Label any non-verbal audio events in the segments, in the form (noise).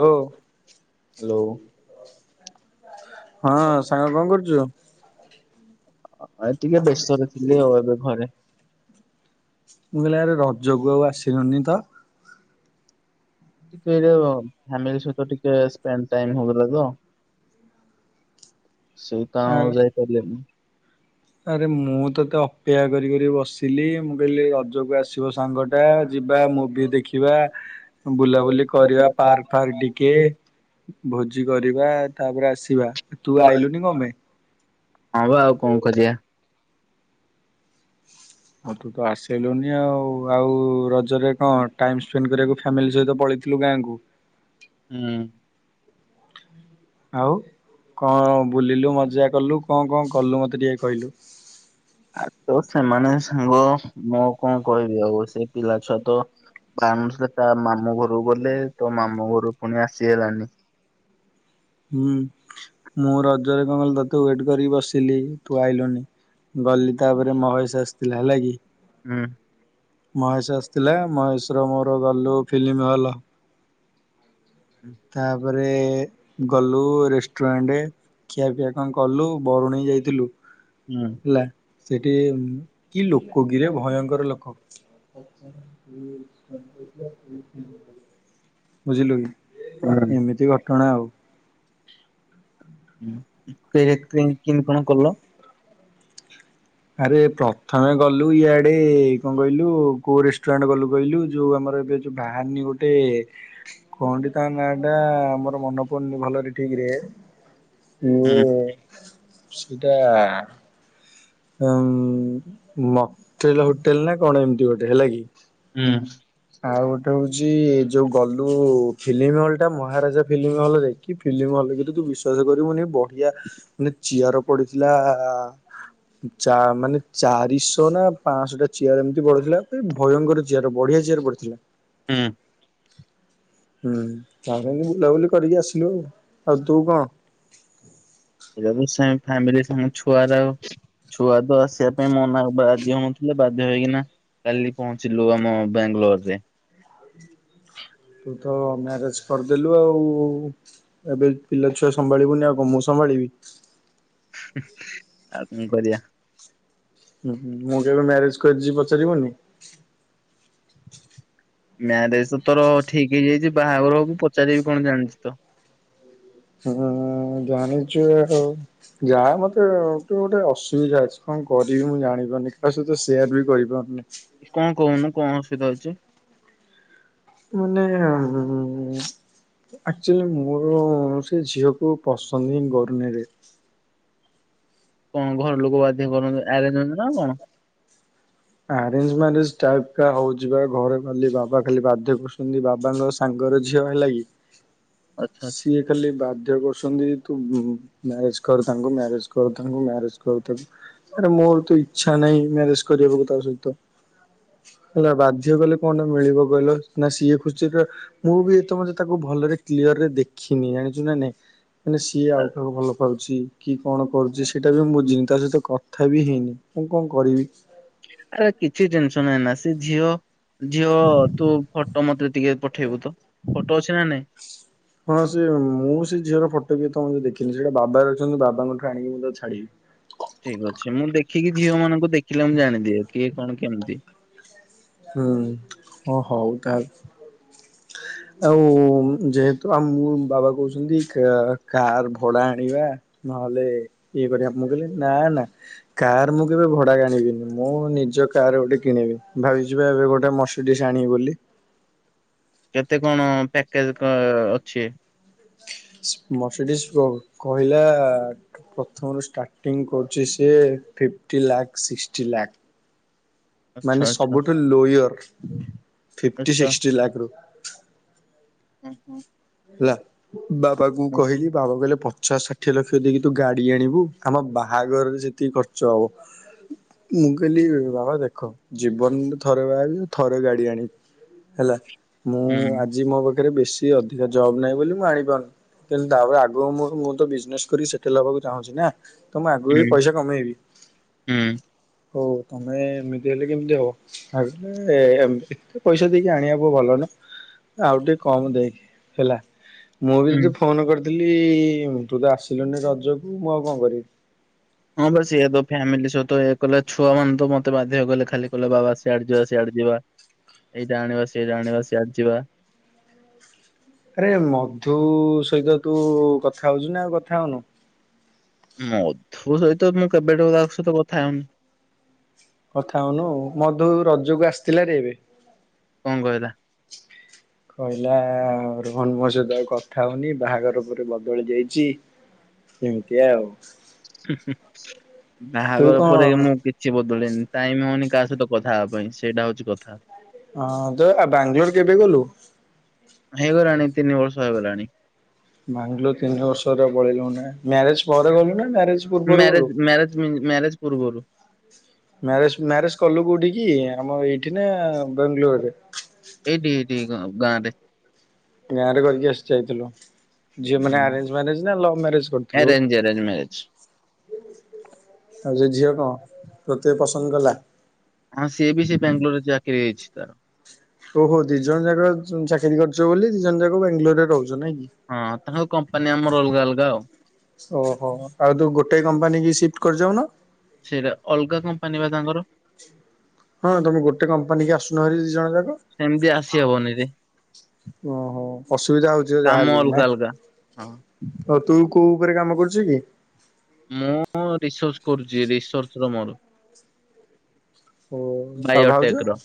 ହଉ । ହ୍ୟାଲୋ ହଁ ସାଙ୍ଗ କଣ କରୁଛୁ? ଟିକେ ବ୍ୟସ୍ତରେ ଥିଲି ଆଉ ଏବେ ଘରେ । ମୁଁ କହିଲି ଆରେ ରଜକୁ ଆଉ ଆସିିଲନି ତ! ଟିକେର ଫ୍ୟାମିଲି ସହିତ ଟିକେ ପେନ୍ ଟାଇମ୍ ହେଇଗଲା ତ ସେଇ ଆ କାରଣ ରୁ ଯାଇପାରିଲିନି । ଆରେ ମୁଁ ତତେ ଅପେକ୍ଷା କରିିକି ବସିଲି ମୁଁ କହିଲି ରଜକୁ ଆସିି ଆସିବ ସାଙ୍ଗଟା ଯିବା ମୁଭି ଦେଖିବା ବୁଲାବୁଲି କରିବା ପାର୍କ ଫାର୍କ ଟିକେ । ଭୋଜି କରିବା ତାପରେ ଆସିବା ତୁ ଆଇଲୁନି କଣ ପାଇଁ? ହଁ ବା ଆଉ କଣ କରିିବା। ହଁ ତୁ ତ ଆସିଲୁନି ଆଉ ଆଉ ରଜରେ କଣ ଟାଇମ ସ୍ପେଣ୍ଡ କରିବାକୁ ଫାମିଲି ସହିତ ପଳେଇ ଥିଲୁ ଗାଁଙ୍କୁ । ହୁଁ । ଆଉ । କଣ ବୁଲିଲୁ ମଜା କଲୁ କଣ କଣ କଲୁ ମତେ ଟିକେ କହିଲୁ? ଆ ତ ସେମାନେ ସାଙ୍ଗ ମୁଁ କଣ କହିବି ଆଉ ସେ ପିଲା ଛୁଆ ତ ତା ମାସରେ ତା ମାମୁଁ ଘରକୁ ଗଲେ ତୋ ମାମୁ ଘରୁ ପୁଣି ଆସି ହେଲାନି । ହୁଁ ମୁଁ ରଜରେ କଣ କହିଲି ତତେ ୱେଟ କରିକି ବସିଲି ତୁ ଆଇଲୁନି । ଗଲି ତାପରେ ମହେଶ ଆସିଥିଲା ହେଲା କି । ହୁଁ। ମହେଶ ଆସିଥିଲା ମହେଶର ମୋର ଗଲୁ ଫିଲ୍ମ ହଲ୍। ତାପରେ ଗଲୁ ରେଷ୍ଟୁରାଣ୍ଟ ଖିଆପିଆ କଣ କଲୁ ବରୁଣେଇ ଯାଇଥିଲୁ। ହୁଁ ହେଲା ସେଠି କି ଲୋକ କିରେ ଭୟଙ୍କର ଲୋକ। (inaudible) ବୁଝିଲୁ କି? ହୁଁ। ଏମିତି ଘଟଣା ଆଉ। ଉଁ ହୁଁ ଫେର୍ କି କିନ କଣ କଲ? ଆରେ ପ୍ରଥମେ ଗଲୁ ଇଆଡେ କଣ କହିଲୁ। କୋଉ ରେଷ୍ଟୁରାଣ୍ଟ ଗଲୁ କହିଲୁ। ଯୋଉ ଆମର ଏବେ ଯୋଉ ବାହାନି ଗୋଟେ କଣଟି ତା ନାଁ ଟା ମୋର ମନେ ପଡୁନି ଭଲରେ ଠିକରେ। ହୁଁ ମୁଁ ସେଇଟା ଉଁ ମକ୍ଲ ଟେଲ ହୋଟେଲ ନା କଣ ଏମତି ଗୋଟେ ହେଲା କି? ହୁଁ ଆଉ ଗୋଟେ ହଉଛି ଯୋଉ ଗଲୁ ଫିଲ୍ମ ହଲ୍ ଟା ମହାରାଜା ଫିଲ୍ମ ହଲରେ କି ଫିଲ୍ମ ହ କହିଲେକି ତୁ ବିଶ୍ଵାସ କରିବୁନି ବଢିଆ ମାନେ ଚିଆର ପଡିଥିଲା। ଚା ମାନେ ଚାରିଶହ ନା ପାଞ୍ଚଶ ଟା ଚିଆର ଏମିତି ପଡ଼ିଥିଲା। ମାନେ ଭୟଙ୍କର ଚିଆର ବଢିଆ ଚିୟାର ପଡ଼ିଥିଲା। ହୁଁ। ହୁଁ ତା ପାଇଁ ବୁଲାବୁଲି କରିକି ଆସିଲୁ। ଆଉ ତୁ କଣ? (unintelligible) ଫ୍ୟାମିଲି ସାଙ୍ଗ ଛୁଆର ଛୁଆ ତ ଆସିବା ପାଇଁ ମନା ବାଧ୍ୟ ହଉନଥିଲେ। ବାଧ୍ୟ ହେଇକିନା କାଲି ପହଞ୍ଚିଲୁ ଆମ ବାଙ୍ଗଲୋରରେ। ତୁ ତ ମ୍ୟାରେଜ କରିଦେଲୁ। ଆଉ ଏବେ ପିଲା ଛୁଆ ସମ୍ଭାଳିବୁନି ଆଉ କଣ ମୁଁ ସମ୍ଭା ମ୍ଭାଳୀବି। ହୁଁ ଆଉ କଣ କରିବା। ଉଁ ହୁଁ ମୁଁ କେବେ ମ୍ୟାରେଜ କରି ଯିବି ପଚାରିବୁନି। ମ୍ୟାରେଜ ତ ତୋର ଠିକ ହେଇଯାଇଚି। ବାହାଘର ହବୁ ପଚାରିବି କଣ ଜାଣିଛି ତ। ହୁଁ ଜାଣିଚୁ ଆଉ ଯା ମତେ ଗୋଟେ ଅସୁବିଧା ଅଛି କଣ? କରିବି ମୁଁ ଜାଣିପାରୁନି କାହା ସହିତ ସେୟାର ବି କରିପାରୁନି। କଣ କହୁନୁ କଣ ଅସୁବିଧା ହେଇଚି। ମାନେ ଆକଚୁଆଲି ମୁଁ ସେ ଝିଅକୁ ପସନ୍ଦ ହିଁ କରୁନିରେ। କଣ ଘର ଲୋକ ବାଧ୍ୟ କରନ୍ତୁ ଆରେଞ ମ୳୲ରେଜ ନା କଣ? ଆରେଞ୍ଜ ମ୍ୟାରେଜ ଟାଇପ କା ହଉଚି ବା। ଘରେ ଖାଲି ବାବା ଖାଲି ବାଧ୍ୟ କରୁଛନ୍ତି। ବାବାଙ୍କ ସାଙ୍ଗ ଘର ଝିଅ ହେଲା କି ଆଚ୍ଛା ଆଚ୍ଛା ସିଏ ଖାଲି ବାଧ୍ୟ କର ଛନ୍ତି ତୁ ମ୳୲ରେଜ କର ତାଙ୍କୁ ମ୍ୟାରେଜ କର ତାଙ୍କୁ ମ୍ୟାରେଜ କର ତାକୁ। ଆରେ ମୋର ତ ଇଚ୍ଛା ନାହିଁ ମ୍ୟାରେଜ କରିବାକୁ ତା ସହିତ। ହେଲା ବାଧ୍ୟ କଲେ କଣ ଟା ମିଳିବ କହିଲ ନା ସିଏ ଖୁସିରେ ର। ମୁଁ ବି ତମେ ଯଦି ତାକୁ ଭ ଭଲରେ କ୍ଲିଅରରେ ଦେଖିନି ଜାଣିଛୁ ନା ନାଇଁ ମାନେ ସିଏ ଆଉ କାହାକୁ ଭଲ ପାଉଚି। କି କଣ କରୁଛି ସେଇଟା ବି ମୁଁ ବୁଝିନି ତା ସହିତ କଥା ବି ହେଇନି ମୁଁ କଣ କରିବି। ଆରେ କିଛି ଟେନସନ ହେ ନା ସେ ଝିଅ ଝିଅ ତୁ ଫଟୋ ମତେ ଟିକେ ପଠେଇବୁ ତ ଫଟୋ ଅଛି ନା ନାଇଁ। ହଁ ସେ ମୁଁ ସେ ଝିଅର ଫଟୋ କୁ ଏପନ୍ତ ଦେଖ କିନ୍ତୁ ସେଟା ବାବା ରଖିଛନ୍ତି ବାବାଙ୍କଠୁ ଆଣିକି ମୁଁ ତତେ ଛାଡିବି। ଠିକ ଅଛି ମୁଁ ଦେଖିକି ଝିଅ ମାନଙ୍କୁ ଦେଖିଲେ ମୁଁ ଜାଣିଦିଏ। କିଏ କଣ କେମିତି? ହୁଁ ଓ ହୋଉ ତାହେଲେ। ଆଉ ଯେହେତୁ ଆଉ ମୁଁ ବାବା କହୁଛନ୍ତି କା କାର ଭଡା ଆଣିବା। ନହେଲେ ଇଏ କରିବା ମୁଁ କହିଲି ନା ନା କାର ମୁଁ କେବେ ଭଡାକୁ ଆଣିବିନି। ମୁଁ ନିଜ କା କାର ଗୋଟେ କିଣିବି ଭାବିଛି ବା ଏବେ ଗୋଟେ ମର୍ସିତିଜ ଆଣିବି ବୋଲି। କେତେ କଣ ପ୍ୟାକେଜ ଅଁ ଅଛି। ମସିଡିସ୍ ର କହିଲା ପ୍ରଥମରୁ ଷ୍ଟାର୍ଟିଂ କରୁଚି ସିଏ। (unintelligible) ଫିଫ୍ଟି ସିକ୍ସଟି ଲାଖ ହ ହୁଁ। ହେଲା ବାବାଙ୍କୁ କହିଲି ବାବା କହିଲେ ପ ଛଅ ଷାଠିଏ ଲକ୍ଷ ଦେଇକି ତୁ ଗାଡି ଆଣିବୁ ଆମ ବାହାଘରରେ ସେତିକି ଖର୍ଚ୍ଚ ହବ। ମୁଁ କହିଲି ବାବା ଦେଖ ଜୀବନରେ ଥରେ ବାହାହେବି ଥରେ ଗାଡି ଆଣିବି। ହେଲା ମୁଁ ଆଜି ମୋ ପାଖରେ ବେଶି ଅଧିକା ଜବ ନାହିଁ ବୋଲି ମୁଁ ଆଣିପାରୁନି। କିନ୍ତୁ ତାପରେ ଆଗ ମୁଁ ମୁଁ ତ ବିଜନେସ କର ସେଟେଲ୍ ହବାକୁ ଚାହୁଁଛି ନା। ତ ମୁଁ ଆଗକୁ ବି ପଇସା କମେଇବି। ହଉ ତମେ ଏମିତି ହେଲେ କେମିତି ହେବ ତାଲେ ଏତେ ପଇସା ଦେଇକି ଆଣିବାକୁ ଭଲ ନୁହଁ। ଆଉ ଟିକେ କମ ଦେଇକି ହେଲା ମୁଁ ବି ହୁଁ। ଯଦି ଫୋନ କରିଦି ଥିଲି ତୁ ତ ଆସିଲୁନି ରଜକୁ ମୁଁ ଆଉ କଣ କରିବି? ହଁ ବସ ଇଏ ତ ଫ୍ୟାମିଲି ସହ ତ ଏହଲେ ଛୁ ମାନେ ତ ମତେ ବାଧ୍ୟ କଲେ ଖାଲି କହଲେ ବାବା ସିଆଡେ ଯିବା। ଏଇଟା ଆଣିବାସ ଏଇଟା ଆଣିବା ୟଦ ଯିବା। (inaudible) ଆରେ ମଧୁ ସହିତ ତୁ କଥା ହଉଛୁ ନା ଆଉ କଥା ହଉନୁ? ମଧୁ ସହିତ ମୁଁ କେବେଠୁ ତା ସହିତ କଥା ହଉନି। କଥା ହଉନୁ ମଧୁ ରଜକୁ ଆସିଥିଲା ରେ ଏବେ। କଣ କହିଲା? କହିଲା ମୋ ସହିତ ଆଉ କଥା ହଉନି ବାହାଘର ପରେ ବଦଳି ଯାଇଛି। ଏମିତି ଆଉ। ତୁ ବାହାଘର କଣ ପରେ ମୁଁ କିଛି ବଦଳିନି ଟାଇମ ହୋଉନି କାହା ସହିତ କଥା ହେବା ପାଇଁ ସେଇଟା ହଉଛି କଥା। ହଁ ତ ବାଙ୍ଗଲୋର କେବେ ଗଲୁ? ହେଇଗଲାଣି ତିନି ବର୍ଷ ହେଲାଣି। ବାଙ୍ଗଲୋର ତିନି ବର୍ଷରେ ପଳେଇଲୁ ନା ମ୍ୟାରେଜ ପରେ ଗଲୁ ନା? ମ୍ୟାରେଜ ପୂର୍ବରୁ ଗଲୁ? ମ୍ୟାରେଜ ମ୍ୟାରେଜ ମ୍ୟାରେଜ ପୂର୍ବରୁ। ମ୍ୟାରେଜ ମ୍ୟାରେଜ କଲୁ କୋଉଠି କିି ଆମ ଏଇଠି ନା ବାଙ୍ଗଲୋରରେ? ଏଇଠି ଏଇଠି ଗାଁରେ। ଗାଁ ରେ କରିକି ଆସି ଯାଇଥିଲୁ ଝିଅ ହୁଁ, ମାନେ ଆରେଞ୍ଜ ମ୍ୟାରେଜ ନା ଲଭ୍ ମ୍ୟାରେଜ କରିଥିଲୁ? ଆରେଞ୍ଜ ଆରେଞ୍ଜ ମ୍ୟାରେଜ ଆଉ ସେ ଝିଅ କଣ ତତେ ପସନ୍ଦ କଲା? ଆଁ ସିଏ ବି ସି ବାଙ୍ଗାଲୋରରେ ଚାକିରି ହେଇଛି ତାର। ଓହୋ ଦି ଜଣ ଯାକ ଚାକିରି କରୁଛ ବୋଲି ଦି ଜଣ ଯାକ ବାଙ୍ଗଲୋରରେ ରହୁଛ? ନାଇଁ କି? ହଁ ତାଙ୍କ କମ୍ପାନୀ ଆମର ଅଲଗା ଅଲଗା ଆଉ। ଓହୋ ଆଉ ତୁ ଗୋଟେ କମ୍ପାନୀ କି ସିଫ୍ଟ କରିଯାଉ ନ? ସେଇଟା ଅଲଗା କମ୍ପାନୀ ପା ତାଙ୍କର? ହଁ ତମେ ଗୋଟେ କମ୍ପାନୀ କି ଆସୁନହେରି ଦି ଜଣ ଯାକ। ସେମିତି ଆସି ହବନି ରେ ଓହୋ ଅସୁବିଧା ହଉଛି ଯାହା କାମ ହେଲେ ବି ନା? ଅଲଗା ଅଲଗା। ହଁ ହଉ ତୁ କୋଉ ଉପରେ କାମ କରୁଛୁ କି? ମୁଁ ରିସର୍ଚ୍ଚ କରୁଛି ରିସର୍ଚ୍ଚ ର ମୋର ଓ ଆଉ ଭାଉଜ ବାୟୋଟେକ ର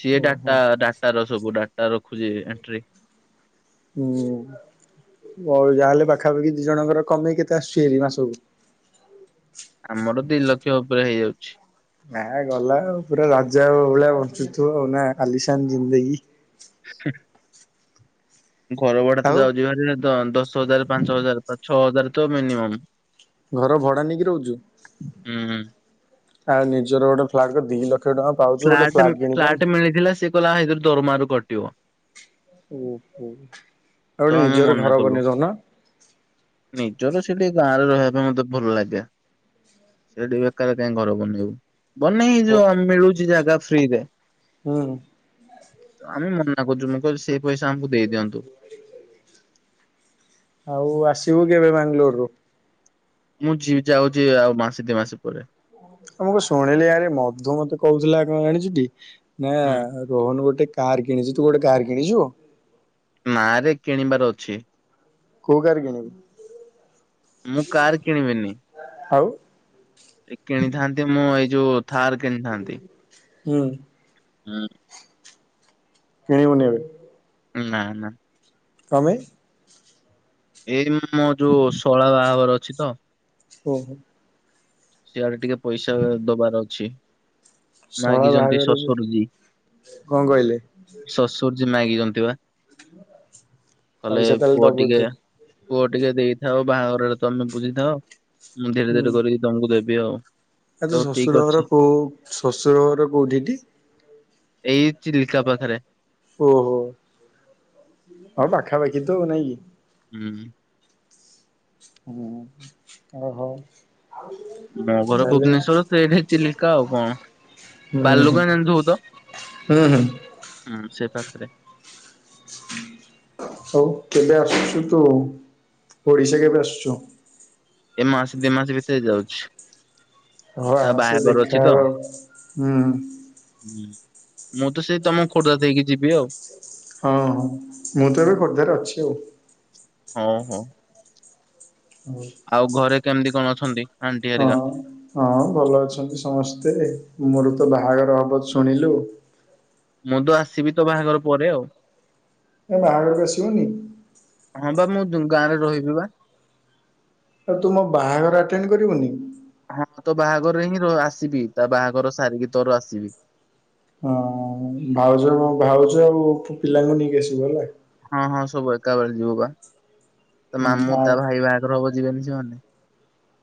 ସିଏ ଓହୋ ଡାଟା ଡାଟା ର ସବୁ ଡାଟା ଟା ରଖୁଛି ଏଣ୍ଟ୍ରି। ହୁଁ। ହଉ ଯାହାହେଲେ ପାଖାପାଖି ଦି ଜଣଙ୍କର କମେଇ କେତେ ଆସୁଛି ହେରି ମାସକୁ ଆମର ଦି ଲକ୍ଷ ଉପରେ ହେଇଯାଉଛି। ନା ଗଲା ଆ ପୁରା ରାଜା ଆ ଭଳିଆ ବଞ୍ଚୁଥିବ ଆଉ ନା କାଲିସାନ ଜିନ୍ଦେକି। ଠିକ। ଘର ଭଡା ତ ଆଉ ଯାଉଛି ଭାରି ଦଶ ହଜାର ପାଞ୍ଚ ହଜାର ଛଅ ହଜାର ତ ମିନିମମ୍। ଘର ଭଡା ନେଇକି ରହୁଛୁ ହୁଁ ଆଉ ନିଜର ଗୋଟେ (unintelligible) ପାଉଛୁ ଗୋଟେ ଫ୍ଲାଟ୍ ଫ୍ଲାଟ କିଣିପାରୁନୁ। ଫ୍ଲାଟ୍ ମିଳିଥିଲା ସେଏ କହିଲ ଏଥି ଦରମାରୁ କଟିବ। ଓହୋ। ତ ଆମେ ମନା କଲୁ ନିଜର ସେଠ ଗାଁରେ ରହିବା ପାଇଁ ମତେ ଭଲ ଲାଗେ, ସେଇଠି ବେକାର କାଇହିଁ ଘର ବନେଇବୁ। ବନ ଏଇ ଯୋଉ ମିଳୁଛି ଜାଗା ଫ୍ରିରେ। ହଁ। ତ ଆମେ ମନା କରୁଛୁ ମୁଁ କିଲ ସେଇ ପଇସା ଆମକୁ ଦେଇଦିଅନ୍ତୁ। ଆଉ ଆସିବୁ କେବେ ବାଙ୍ଗାଲୋରରୁୁ? ମୁଁ ଯ ଯାଉଛି ଆଉ ମାସେ ଦି ମାସ ପରେ। ଆ ମୁକୁ ଶୁଣିଲି ଆରେ ମଧୁ ମତେ କହୁଥିଲା କଣ ଜାଣିଛୁ ଟି? ନା ହୁଁ ରୋହନ ଗୋଟେ କାର କିଣିଛୁ ତୁ ଗୋଟେ କାର କିଣିଛୁ? ନା ରେ କିଣିବାର ଅଛି। କୋଉ କାର ମୁଁ କିଣିବୁ? କାର ଆଉ ଏ କିଣିଥାନ୍ତି ମୁଁ ଏଇ ଯୋଉ ଥାର କିଣିଥାନ୍ତି। ହୁଁ। ହୁଁ। କିଣିବୁନି ଏବେ? ନା ନା। କ ପାଇଁ? ଏଇ ମୋ ଯୋଉ ଶଳା ବାହାଘର ଅଛି ତ। ଓ ହୋ। ସେଆଡେ ଟିକେ ପଇସା ଦବାର ଅଛି। ଶଳା ମାଗିଛନ୍ତି ବାହାଘରକୁ ଶ୍ୱଶୁରଜୀ କଣ କହିଲେ ଶଶୁର ଜି ମାଗିଛନ୍ତି ବା। କହିଲେ ପଇସା ତାହେଲେ ପୁଅ ଦବୁ ଟିକେ ତୁ। ପୁଅ ଟିକେ ଦେଇଥାଅ ବାହାଘରରେ ତମେ ବୁଝିଥାଅ ମୁଁ ଧୀରେ ଧୀରେ କରିକି ତମକୁ ଦେବି ଆଉ। ଆ ତ ହଉ ଠିକ ଶ୍ୱଶୁର ଘର ଅଛି କୋଉ ଶ୍ୱଶୁର ଘର କୋଉଠି ଟି? ଏଇ ଚିଲିକା ପାଖରେ। ଓହୋ ହଉ ପାଖାପାଖି ତ ନାଇଁ କି? ହୁଁ। ହୁଁ ଆ ହଉ। ମୋ ଘର ଭୁବନେଶ୍ଵର ଏଇଠି ଚିଲିକା ଆଉ କଣ? ହୁଁ ହୁଁ ବାଲୁଗାଁ ଜାଣି ଥିବୁ ତ? ହୁଁ ହୁଁ ହଁ ସେ ପାଖ ସେରେ। ଓଡ଼ିଶା କେବେ ଆସୁଛୁ? ଏ ମାସ ଦିଇ ମାସ ଭିତରେ ଯାଉଛି। ହ ତା ଆସ ବାହାଘର ଅଛି ଦେଖା ତ। ହବା ହୁ। ହୁଁ ମୁଁ ତ ସେ ତମ ଖୋର୍ଦ୍ଧା ହେଇକି ଯିବି ଆଉ। ହଁ ହ ମୁଁ ତ ଏବେ ଖୋର୍ଦ୍ଧାରେ ଅଛି ଆଉ। ହ ହୋ। ଆଉ ଘରେ କେମିତି କଣ ଅଛନ୍ତି? ଆଣ୍ଟି ହଁ ହେରିକା? ହଁ ଭଲ ଅଛନ୍ତି ସମସ୍ତେ। ମୋର ତ ବାହାଘର ହବ ଶୁଣିଲୁ। ମୁଁ ତ ଆସିବି ତୋ ବାହାଘର ପରେ ଆଉ। ମୋ ବାହାଘର କୁ ଆସିବୁନି? ହଁ ବା ମୁଁ ଗାଁରେ ରହିବି ବା। ଆଉ ତୁ ମୋ ବାହାଘର ଆଟେନ୍ କରିବୁନି? ହଁ ତ ବାହାଘର ହିଁ ଆସିବି ତା ବାହାଘର ସାରିକି ତୋର ଆସିବି। ହଁ ଭାଉଜ ଭାଉଜ ଆଉ ପିଲାଙ୍କୁ ନେଇକି ଆସିବ ହେଲା। ହଁ ହଁ ସବୁ ଏକା ବଳେ ଯିବୁ ବା ତ ମାମୁଁ ହେଲା। ଆଉ ତା ଭାଇ ବାହାଘର ହବ ଯିବେନି ସେମାନେ।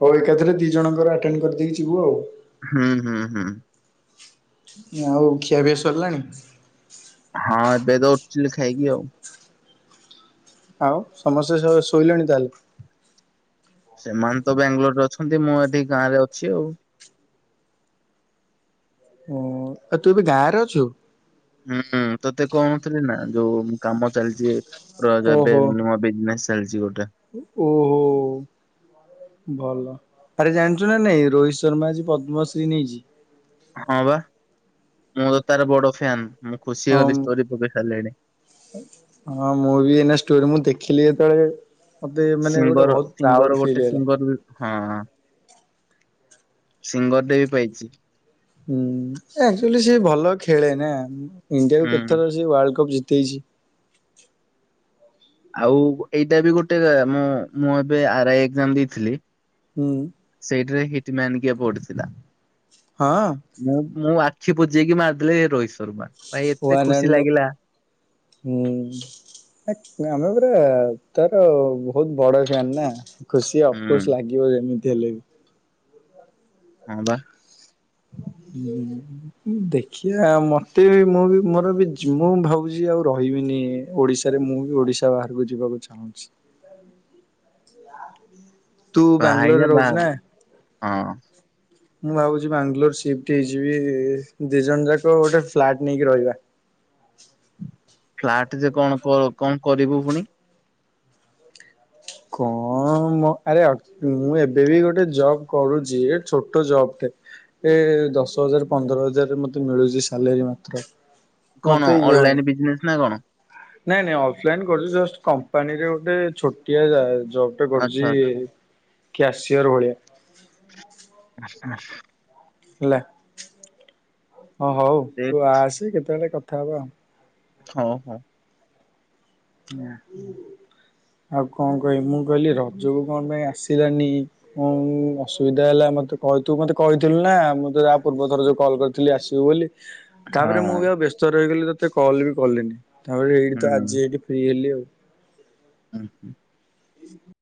ହଉ ଏକାଥରେ ଦି ଜଣଙ୍କର ଆଟେଣ୍ଡ କରିଦେଇକି ଯିବୁ ଆଉ। ହୁଁ ହୁଁ ହୁଁ ଆଉ ଖିଆପିଆ ସରିଲାଣି? ହଁ ବେଦ ଲ ଖାଇକି ଆଉ। ଆଉ ସମସ୍ତେ ଶୋଇଲେଣି ତାହେଲେ। ସେମାନେ ତ ବାଙ୍ଗାଲୋରରେ ଅଛନ୍ତି, ମୁଁ ଏଠି ଗାଁ ରେ ଅଛି ଆଉ। ହୁଁ ଆ ତୁ ଏବେ ଗା ଗାଁରେ ଅଛୁ। ହୁଁ ତତେ କଣଥିଲି ନା ଯୋଉ କାମ ଚାଲିଚି। ରଜ ଏବେ ଓହୋ ନି ବିଜିନେସ୍ ଚାଲିଛି ଗୋ ଓହୋ ଭଲ। ଆରେ ଜାଣିଛୁ ନା ନାଇଁ ରୋହିତ ଶର୍ମା ଆଜି ପଦ୍ମଶ୍ରୀ ନେଇଛି। ହଁ ବା ମୁଁ ତ ତାର ବଡ଼ ଫ୍ୟାନ। ହଁ ହଁ ମୁଁ ବି ଏଇନେ ଷ୍ଟୋରି ମୁଁ ଦେଖିଲି ଯେତେ ସେତେବେଳେ ମତେ ମାନେ ଗୋଟେ ବହୁତ ପ୍ରାଉଡ ଫିଲ୍ ହେଲା। ହଁ ହଁ ସିଙ୍ଗର ଟେ ବି ପାଇଛି। ହଁ ସେ ଆକଚୁଆଲି ସେ ଭଲ ଖେଳେ ନା ଇଣ୍ଡିଆକୁ ହୁଁ କେତେଥର ସେ ୱାଲ୍ଡକପ ଜିତେ ତେଇଛି। ଆଉ ଏଇଟା ବି ଗୋଟେ ମୁଁ ଏବେ ଆର ଆଇ ଏକଜାମ ଦେଇଥିଲି। ହୁଁ ସେଇଠିରେ ହିଟ ମ୍ୟାନ୍ କିଏ ପଡିଥିଲା ମୁଁ ମୁଁ ଆଖି ବୁଜେଇକି ମାରିଦେଲି ରୋହିତ ଶର୍ମା ଭାଇ ହଁ ଏତେ ୱାନ୍ ଖୁସି ଆଣ୍ଡ ଲାଗିଲା। ହୁଁ ହେକ୍ ଆମେ ପୁରା ତାର ବହୁତ ବଡ ଫ୍ୟାନ୍ ନା ଖୁସି ହୁଁ। ଅଫକୋର୍ସ ଲାଗିବ ଯେମିତି ହେଲେ ବି। ହଁ ବା। ଦେଖିବା ମତେ ମୁଁ ବି ମୋର ବି ମୁଁ ଭାବୁଛି ଆଉ ରହି ବିନି ଓଡିଶାରେ ମୁଁ ବି ଓଡିଶା ବାହାରକୁ ଯିବାକୁ ଚାହୁଁଛି। ତୁ ବାହା ହେଇଯା ବ୍ୟାଙ୍ଗଲୋରରେ ବାହା ରହୁଛୁ ନା! ହଁ ମୁଁ ଭାବୁଛି ବ୍ୟାଙ୍ଗଲୋର ସିଫ୍ଟ ହେଇଯିବି ଦି ଜଣ ଯାକ ଗୋଟେ ଫ୍ଲାଟ ନେଇକି ରହିବା। ହାଟେ ଯେ କଣ କଣ କରିବୁ ପୁଣି? କଣ ମ ଆରେ ଅ ମୁଁ ଏବେ ବି ଗୋଟେ ଜବ କରୁଛି ହେ ଛୋଟ ଜବ। ଏ ଦଶ ହଜାର ପନ୍ଦର ହଜାରରେ ମତେ ମିଳୁଛି ସାଲେରି ମାତ୍ର। କଣ ମତେ ଇଏ ହଉନି ଅନଲାଇନ ବିଜନେସ୍ ନା କଣ? ନାଇଁ ନାଇଁ ଅଫଲାଇନ୍ କରୁ ଛି ଜଷ୍ଟ କମ୍ପାନୀରେ ଗୋଟେ ଛୋଟିଆ ଆ ଜବ୍ ଟେ କରୁଛି ଆଚ୍ଛା ଆଚ୍ଛା କ୍ୟାସୟର୍ ଭଳିଆ। ଆଶଶ ହେଲା ହ ହଉ ତୁ ଦେଖ ଆସେ କେତେବେଳେ କଥା ହବା ଆଉ। ହଉ ହଉ। ହଁ। ଆଉ କଣ କହିବି ମୁଁ କହିଲି ରଜକୁ କଣ ପାଇଁ ଆସିଲାନି କଣ ଅସୁବିଧା ହେଲା? ମୋତେ କହିଥୁ ମୋତେ କହିଥିଲୁ ନା ମୁଁ ତ ଯା ପୂର୍ବ ଥର ଯେଉଁ କଲ୍ କରିଥିଲି ଆସିବୁ ବୋଲି। ତାପରେ ମୁଁ ହଁ ବି ଆଉ ବ୍ୟସ୍ତ ରହିଗଲି ତତେ କଲ୍ ବି କଲିନି ତାପରେ ଏଇଠି ତ ଆଜି ଏଇଠି (unintelligible) ହୁଁ ହୁଁ। ହୁଁ